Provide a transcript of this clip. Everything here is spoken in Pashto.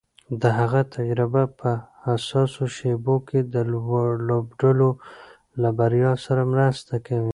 د هغه تجربه په حساسو شېبو کې د لوبډلې له بریا سره مرسته کوي.